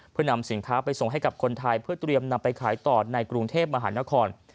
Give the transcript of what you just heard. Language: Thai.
เพื่อนำสินค้าไปส่งให้กับคนไทยเพื่อเตรียมนำไปขายต่อในกรุงเทพมหานคร